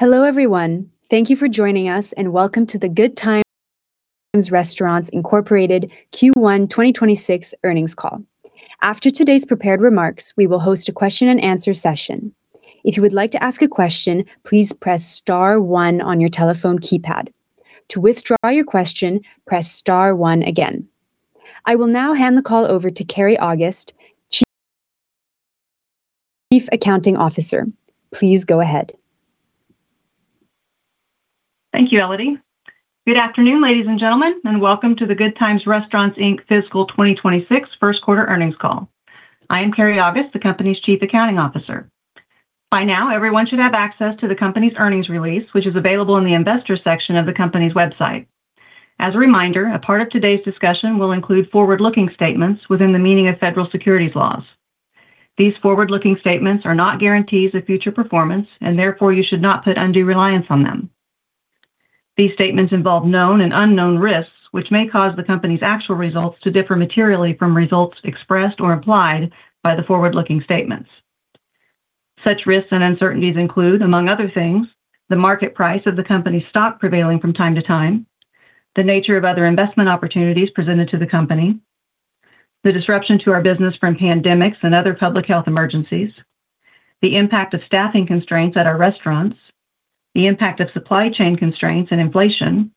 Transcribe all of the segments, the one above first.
Hello, everyone. Thank you for joining us, and welcome to the Good Times Restaurants Incorporated Q1 2026 earnings call. After today's prepared remarks, we will host a question and answer session. If you would like to ask a question, please press star one on your telephone keypad. To withdraw your question, press star one again. I will now hand the call over to Keri August, Chief Accounting Officer. Please go ahead. Thank you, Elodie. Good afternoon, ladies and gentlemen, and welcome to the Good Times Restaurants, Inc. Fiscal 2026 first quarter earnings call. I am Keri August, the company's Chief Accounting Officer. By now, everyone should have access to the company's earnings release, which is available in the investor section of the company's website. As a reminder, a part of today's discussion will include forward-looking statements within the meaning of federal securities laws. These forward-looking statements are not guarantees of future performance, and therefore you should not put undue reliance on them. These statements involve known and unknown risks, which may cause the company's actual results to differ materially from results expressed or implied by the forward-looking statements. Such risks and uncertainties include, among other things, the market price of the company's stock prevailing from time to time, the nature of other investment opportunities presented to the company, the disruption to our business from pandemics and other public health emergencies, the impact of staffing constraints at our restaurants, the impact of supply chain constraints and inflation,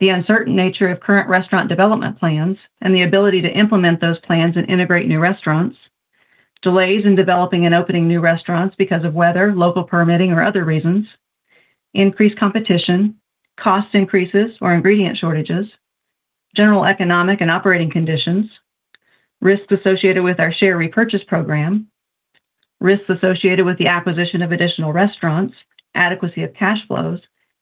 the uncertain nature of current restaurant development plans, and the ability to implement those plans and integrate new restaurants, delays in developing and opening new restaurants because of weather, local permitting, or other reasons, increased competition, cost increases or ingredient shortages. General economic and operating conditions, risks associated with our share repurchase program, risks associated with the acquisition of additional restaurants, adequacy of cash flows,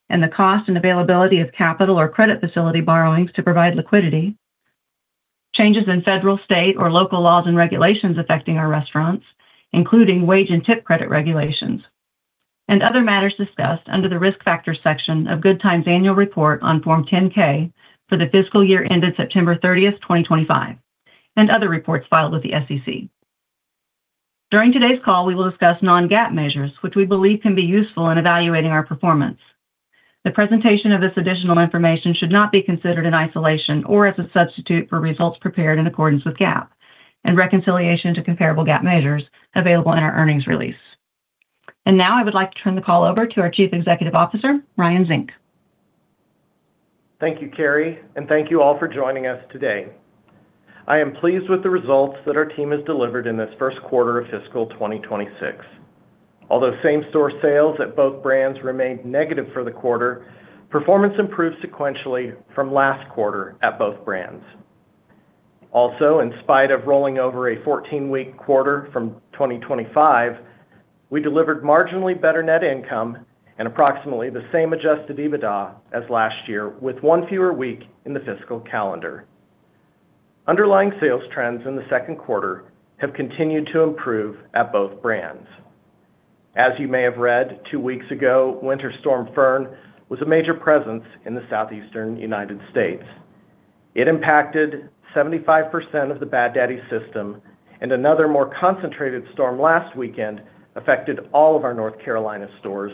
and the cost and availability of capital or credit facility borrowings to provide liquidity, changes in federal, state, or local laws and regulations affecting our restaurants, including wage and tip credit regulations, and other matters discussed under the Risk Factors section of Good Times Annual Report on Form 10-K for the fiscal year ended September 30th, 2025, and other reports filed with the SEC. During today's call, we will discuss non-GAAP measures, which we believe can be useful in evaluating our performance. The presentation of this additional information should not be considered in isolation or as a substitute for results prepared in accordance with GAAP and reconciliation to comparable GAAP measures available in our earnings release. Now I would like to turn the call over to our Chief Executive Officer, Ryan Zink. Thank you, Keri, and thank you all for joining us today. I am pleased with the results that our team has delivered in this first quarter of fiscal 2026. Although same-store sales at both brands remained negative for the quarter, performance improved sequentially from last quarter at both brands. Also, in spite of rolling over a 14-week quarter from 2025, we delivered marginally better net income and approximately the same adjusted EBITDA as last year, with one fewer week in the fiscal calendar. Underlying sales trends in the second quarter have continued to improve at both brands. As you may have read, 2 weeks ago, Winter Storm Fern was a major presence in the southeastern United States. It impacted 75% of the Bad Daddy's system, and another more concentrated storm last weekend affected all of our North Carolina stores,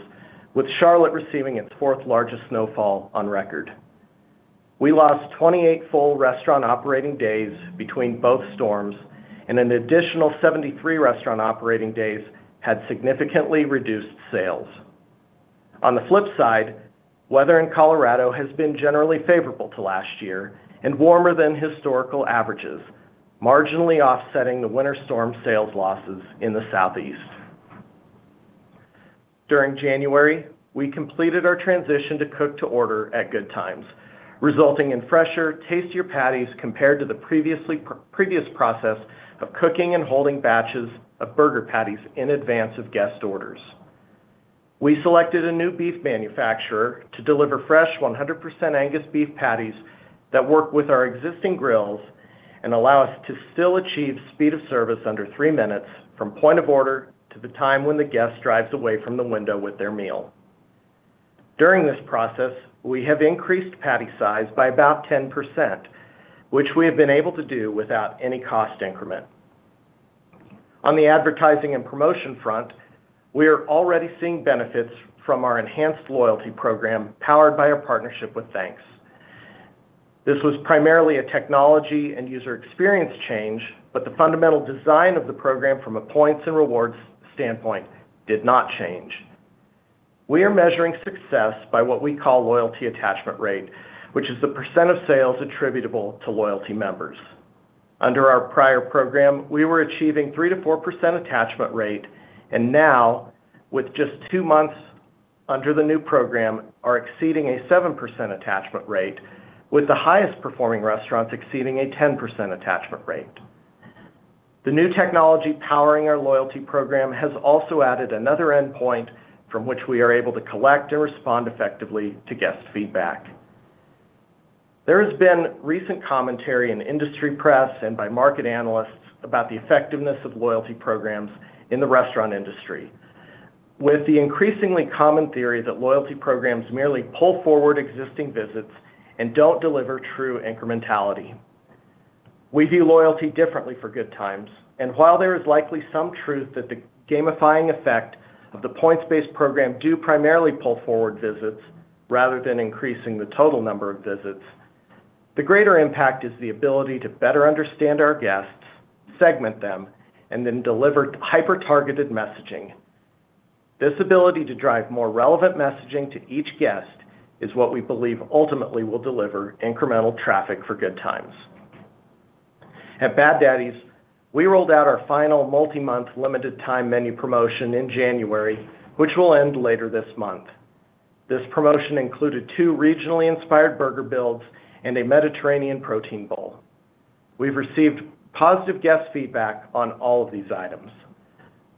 with Charlotte receiving its fourth largest snowfall on record. We lost 28 full restaurant operating days between both storms and an additional 73 restaurant operating days had significantly reduced sales. On the flip side, weather in Colorado has been generally favorable to last year and warmer than historical averages, marginally offsetting the winter storm sales losses in the Southeast. During January, we completed our transition to cook to order at Good Times, resulting in fresher, tastier patties compared to the previous process of cooking and holding batches of burger patties in advance of guest orders. We selected a new beef manufacturer to deliver fresh 100% Angus beef patties that work with our existing grills and allow us to still achieve speed of service under 3 minutes from point of order to the time when the guest drives away from the window with their meal. During this process, we have increased patty size by about 10%, which we have been able to do without any cost increment. On the advertising and promotion front, we are already seeing benefits from our enhanced loyalty program, powered by our partnership with Thanx. This was primarily a technology and user experience change, but the fundamental design of the program from a points and rewards standpoint did not change. We are measuring success by what we call loyalty attachment rate, which is the % of sales attributable to loyalty members. Under our prior program, we were achieving 3%-4% attachment rate, and now with just two months under the new program, are exceeding a 7% attachment rate, with the highest performing restaurants exceeding a 10% attachment rate. The new technology powering our loyalty program has also added another endpoint from which we are able to collect and respond effectively to guest feedback. There has been recent commentary in the industry press and by market analysts about the effectiveness of loyalty programs in the restaurant industry, with the increasingly common theory that loyalty programs merely pull forward existing visits and don't deliver true incrementality. We view loyalty differently for Good Times, and while there is likely some truth that the gamifying effect of the points-based program do primarily pull forward visits rather than increasing the total number of visits, the greater impact is the ability to better understand our guests, segment them, and then deliver hyper-targeted messaging. This ability to drive more relevant messaging to each guest is what we believe ultimately will deliver incremental traffic for Good Times. At Bad Daddy's, we rolled out our final multi-month limited time menu promotion in January, which will end later this month. This promotion included two regionally inspired burger builds and a Mediterranean protein bowl. We've received positive guest feedback on all of these items.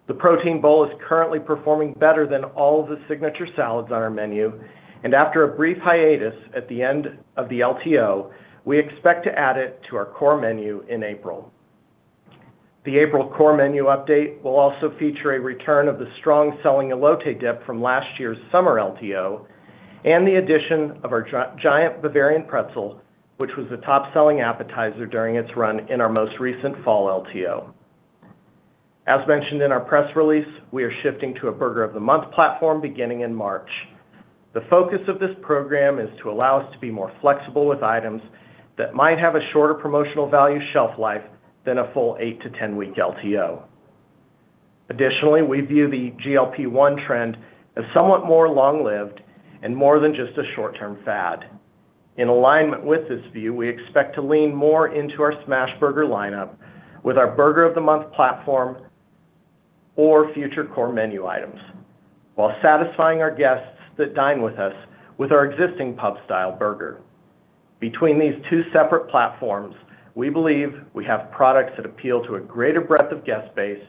The protein bowl is currently performing better than all the signature salads on our menu, and after a brief hiatus at the end of the LTO, we expect to add it to our core menu in April. The April core menu update will also feature a return of the strong selling Elote dip from last year's summer LTO, and the addition of our Giant Bavarian pretzel, which was the top-selling appetizer during its run in our most recent fall LTO. As mentioned in our press release, we are shifting to a Burger of the Month platform beginning in March. The focus of this program is to allow us to be more flexible with items that might have a shorter promotional value shelf life than a full 8-10-week LTO. Additionally, we view the GLP-1 trend as somewhat more long-lived and more than just a short-term fad. In alignment with this view, we expect to lean more into our Smash Burger lineup with our Burger of the Month platform or future core menu items, while satisfying our guests that dine with us with our existing pub-style burger. Between these two separate platforms, we believe we have products that appeal to a greater breadth of guest base,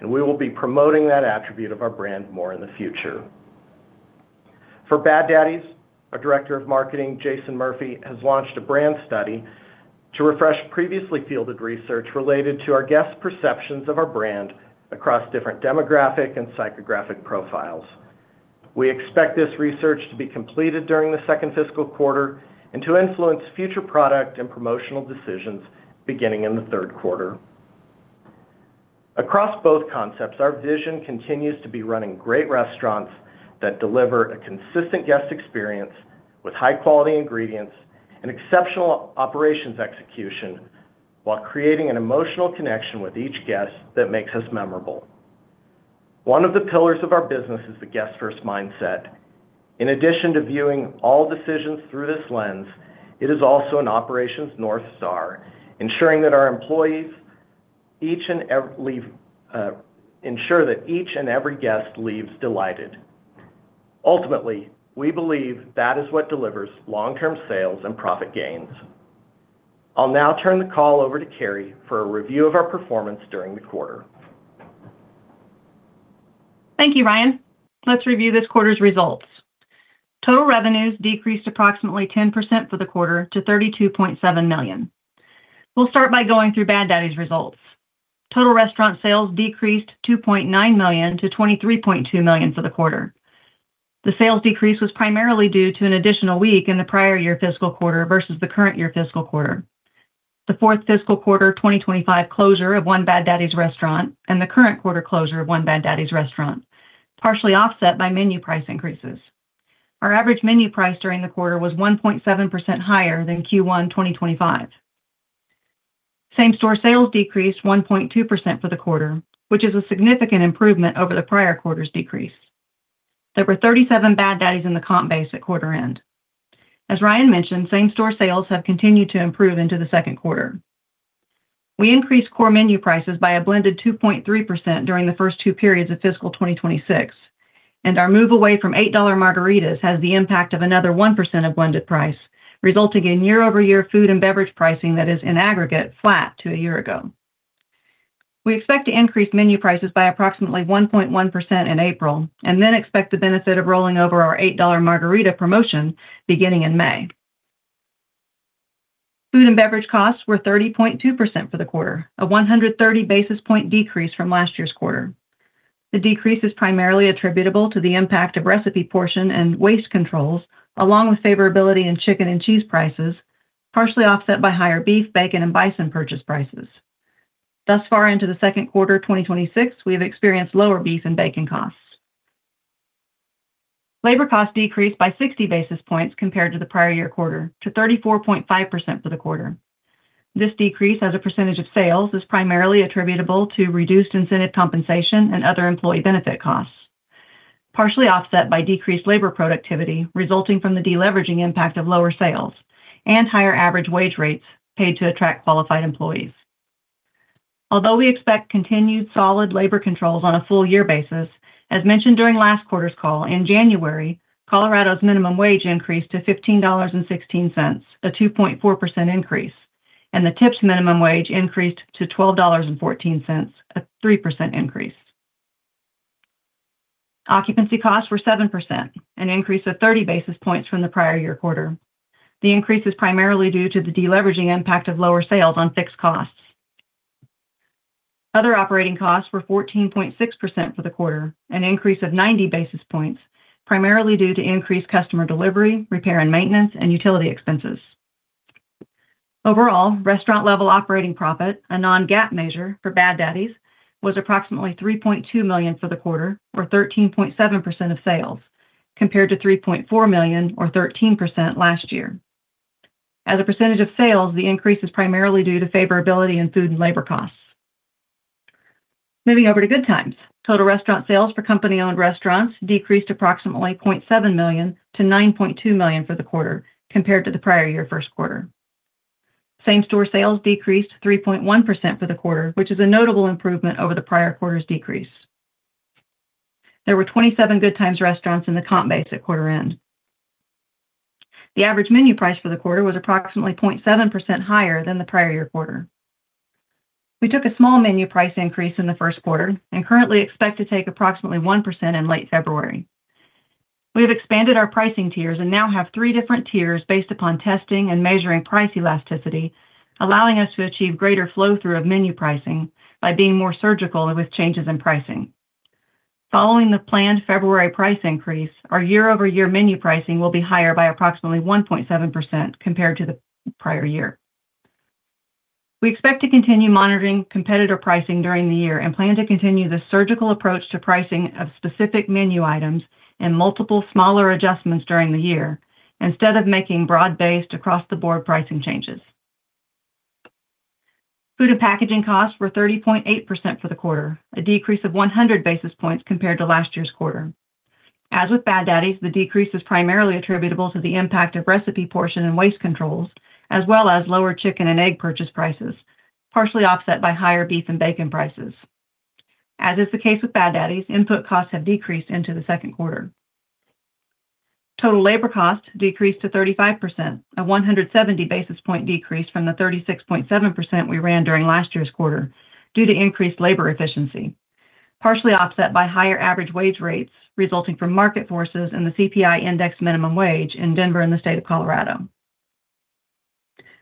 and we will be promoting that attribute of our brand more in the future. For Bad Daddy's, our Director of Marketing, Jason Murphy, has launched a brand study to refresh previously fielded research related to our guest perceptions of our brand across different demographic and psychographic profiles. We expect this research to be completed during the second fiscal quarter and to influence future product and promotional decisions beginning in the third quarter. Across both concepts, our vision continues to be running great restaurants that deliver a consistent guest experience with high-quality ingredients and exceptional operations execution, while creating an emotional connection with each guest that makes us memorable. One of the pillars of our business is the guest-first mindset. In addition to viewing all decisions through this lens, it is also an operations North Star, ensuring that each and every guest leaves delighted. Ultimately, we believe that is what delivers long-term sales and profit gains. I'll now turn the call over to Keri for a review of our performance during the quarter. Thank you, Ryan. Let's review this quarter's results. Total revenues decreased approximately 10% for the quarter to $32.7 million. We'll start by going through Bad Daddy's results. Total restaurant sales decreased $2.9 million to $23.2 million for the quarter. The sales decrease was primarily due to an additional week in the prior year fiscal quarter versus the current year fiscal quarter. The fourth fiscal quarter 2025 closure of one Bad Daddy's restaurant and the current quarter closure of one Bad Daddy's restaurant, partially offset by menu price increases. Our average menu price during the quarter was 1.7 higher than Q1 2025. Same-store sales decreased 1.2% for the quarter, which is a significant improvement over the prior quarter's decrease. There were 37 Bad Daddy's in the comp base at quarter end. As Ryan mentioned, same-store sales have continued to improve into the second quarter. We increased core menu prices by a blended 2.3% during the first two periods of fiscal 2026, and our move away from $8 margaritas has the impact of another 1% of blended price, resulting in year-over-year food and beverage pricing that is in aggregate, flat to a year ago. We expect to increase menu prices by approximately 1.1% in April, and then expect the benefit of rolling over our $8 margarita promotion beginning in May. Food and beverage costs were 30.2% for the quarter, a 130 basis point decrease from last year's quarter. The decrease is primarily attributable to the impact of recipe portion and waste controls, along with favorability in chicken and cheese prices, partially offset by higher beef, bacon, and bison purchase prices. Thus far into the second quarter of 2026, we have experienced lower beef and bacon costs. Labor costs decreased by 60 basis points compared to the prior year quarter, to 34.5% for the quarter. This decrease, as a percentage of sales, is primarily attributable to reduced incentive compensation and other employee benefit costs, partially offset by decreased labor productivity resulting from the deleveraging impact of lower sales and higher average wage rates paid to attract qualified employees. Although we expect continued solid labor controls on a full year basis, as mentioned during last quarter's call in January, Colorado's minimum wage increased to $15.16, a 2.4% increase, and the tipped minimum wage increased to $12.14, a 3% increase. Occupancy costs were 7%, an increase of 30 basis points from the prior year quarter. The increase is primarily due to the deleveraging impact of lower sales on fixed costs. Other operating costs were 14.6% for the quarter, an increase of 90 basis points, primarily due to increased customer delivery, repair and maintenance, and utility expenses. Overall, restaurant level operating profit, a non-GAAP measure for Bad Daddy's, was approximately $3.2 million for the quarter for 13.7% of sales, compared to $3.4 million or 13% last year. As a percentage of sales, the increase is primarily due to favorability in food and labor costs. Moving over to Good Times. Total restaurant sales for company-owned restaurants decreased approximately $0.7 million to $9.2 million for the quarter, compared to the prior year first quarter. Same-store sales decreased 3.1% for the quarter, which is a notable improvement over the prior quarter's decrease. There were 27 Good Times restaurants in the comp base at quarter end. The average menu price for the quarter was approximately 0.7% higher than the prior year quarter. We took a small menu price increase in the first quarter and currently expect to take approximately 1% in late February. We have expanded our pricing tiers and now have three different tiers based upon testing and measuring price elasticity, allowing us to achieve greater flow-through of menu pricing by being more surgical with changes in pricing. Following the planned February price increase, our year-over-year menu pricing will be higher by approximately 1.7% compared to the prior year. We expect to continue monitoring competitor pricing during the year and plan to continue the surgical approach to pricing of specific menu items and multiple smaller adjustments during the year, instead of making broad-based across-the-board pricing changes. Food and packaging costs were 30% for the quarter, a decrease of 100 basis points compared to last year's quarter. As with Bad Daddy's, the decrease is primarily attributable to the impact of recipe portion and waste controls, as well as lower chicken and egg purchase prices, partially offset by higher beef and bacon prices. As is the case with Bad Daddy's, input costs have decreased into the second quarter. Total labor costs decreased to 35%, a 170 basis point decrease from the 36.7% we ran during last year's quarter, due to increased labor efficiency, partially offset by higher average wage rates resulting from market forces and the CPI Index minimum wage in Denver in the state of Colorado.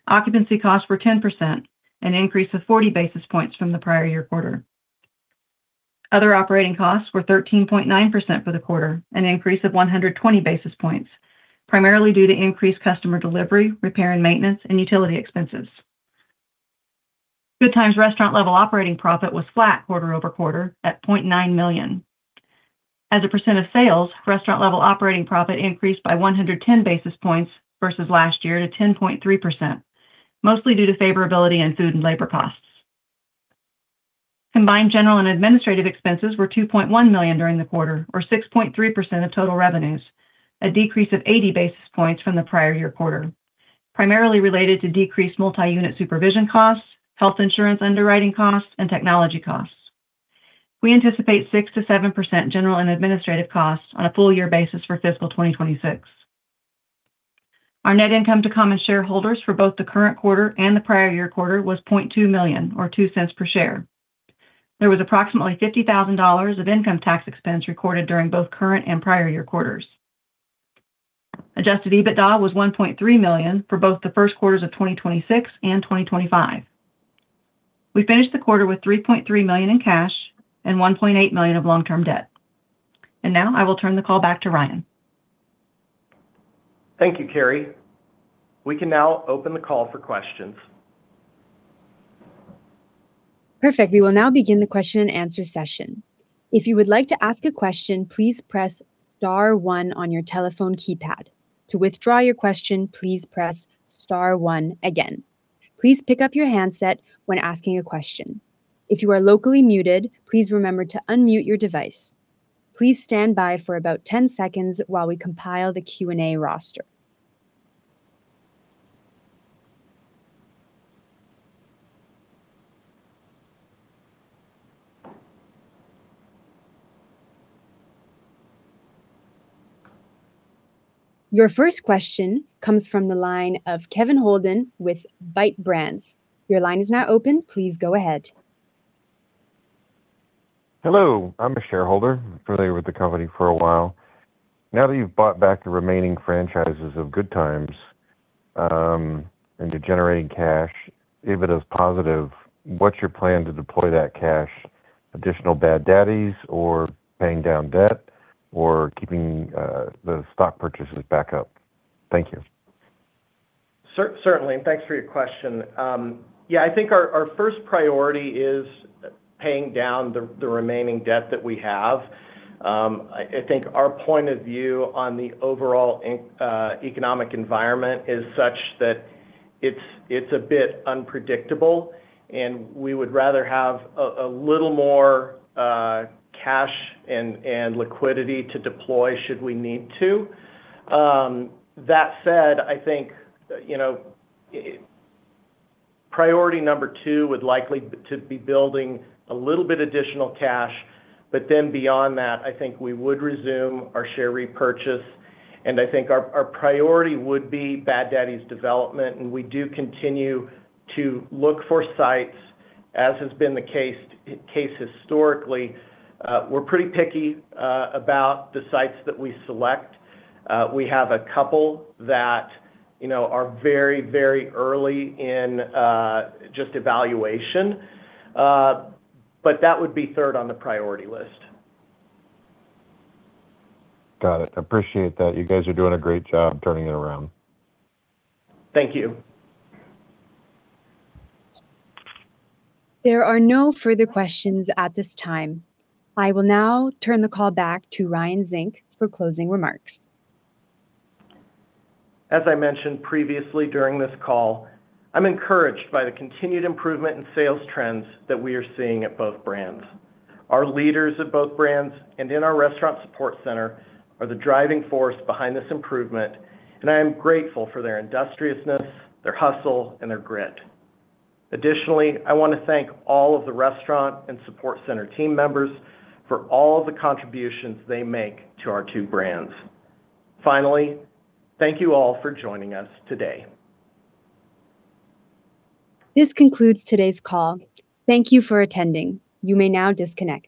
Occupancy costs were 10%, an increase of 40 basis points from the prior year quarter. Other operating costs were 13.9% for the quarter, an increase of 120 basis points, primarily due to increased customer delivery, repair and maintenance, and utility expenses. Good Times restaurant level operating profit was flat quarter-over-quarter at $0.9 million. As a percent of sales, restaurant level operating profit increased by 110 basis points versus last year to 10.3%, mostly due to favorability in food and labor costs. Combined general and administrative expenses were $2.1 million during the quarter, or 6.3% of total revenues, a decrease of 80 basis points from the prior year quarter, primarily related to decreased multi-unit supervision costs, health insurance underwriting costs, and technology costs. We anticipate 6%-7% general and administrative costs on a full year basis for fiscal 2026. Our net income to common shareholders for both the current quarter and the prior year quarter was $0.2 million or $0.02 per share. There was approximately $50,000 of income tax expense recorded during both current and prior year quarters. Adjusted EBITDA was $1.3 million for both the first quarters of 2026 and 2025. We finished the quarter with $3.3 million in cash and $1.8 million of long-term debt. Now I will turn the call back to Ryan. Thank you, Keri. We can now open the call for questions. Perfect. We will now begin the question and answer session. If you would like to ask a question, please press star one on your telephone keypad. To withdraw your question, please press star one again. Please pick up your handset when asking a question. If you are locally muted, please remember to unmute your device. Please stand by for about 10 seconds while we compile the Q&A roster. Your first question comes from the line of Kevin Holden with Bite Brands. Your line is now open. Please go ahead. Hello, I'm a shareholder, familiar with the company for a while. Now that you've bought back the remaining franchises of Good Times, and you're generating cash, EBITDA is positive, what's your plan to deploy that cash? Additional Bad Daddy's or paying down debt, or keeping, the stock purchases back up? Thank you. Certainly. Thanks for your question. Yeah, I think our first priority is paying down the remaining debt that we have. I think our point of view on the overall economic environment is such that it's a bit unpredictable, and we would rather have a little more cash and liquidity to deploy should we need to. That said, I think, you know, priority number two would likely to be building a little bit additional cash, but then beyond that, I think we would resume our share repurchase. I think our priority would be Bad Daddy's development, and we do continue to look for sites, as has been the case historically. We're pretty picky about the sites that we select. We have a couple that, you know, are very, very early in just evaluation, but that would be third on the priority list. Got it. Appreciate that. You guys are doing a great job turning it around. Thank you. There are no further questions at this time. I will now turn the call back to Ryan Zink for closing remarks. As I mentioned previously during this call, I'm encouraged by the continued improvement in sales trends that we are seeing at both brands. Our leaders at both brands and in our restaurant support center are the driving force behind this improvement, and I am grateful for their industriousness, their hustle, and their grit. Additionally, I want to thank all of the restaurant and support center team members for all the contributions they make to our two brands. Finally, thank you all for joining us today. This concludes today's call. Thank you for attending. You may now disconnect.